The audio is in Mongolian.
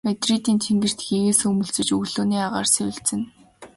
Мадридын тэнгэрт гэгээ сүүмэлзэж өглөөний агаар сэвэлзэнэ.